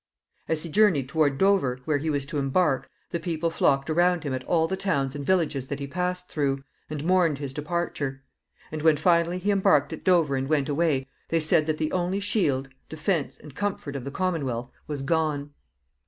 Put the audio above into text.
As he journeyed toward Dover, where he was to embark, the people flocked around him at all the towns and villages that he passed through, and mourned his departure; and when finally he embarked at Dover and went away, they said that the only shield, defense, and comfort of the commonwealth was gone.